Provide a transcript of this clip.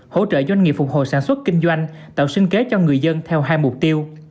hỗ trợ doanh nghiệp phục hồi sản xuất kinh doanh tạo sinh kế cho người dân theo hai mục tiêu